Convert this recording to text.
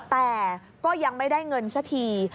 แต่ก็ยังไม่ได้เงินสักที